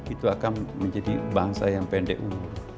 itu akan menjadi bangsa yang pendek umur